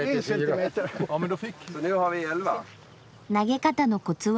投げ方のコツは？